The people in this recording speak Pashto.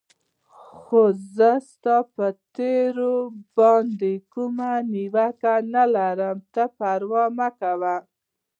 خو زه ستا پر تېر باندې کومه نیوکه نه لرم، ته پروا مه کوه.